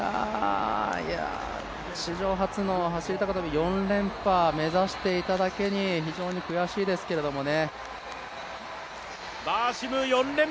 史上初の走高跳４連覇目指していただけに非常に悔しいですけどね。